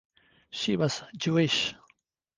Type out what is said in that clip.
She was Jewish.